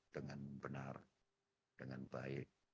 dengan benar dengan baik